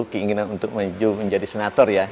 keinginan untuk maju menjadi senator ya